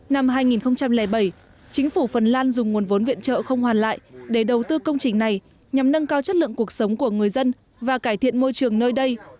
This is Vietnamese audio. năm hai nghìn bảy chính phủ phần lan dùng nguồn vốn viện trợ không hoàn lại để đầu tư công trình này nhằm nâng cao chất lượng cuộc sống của người dân và cải thiện môi trường nơi đây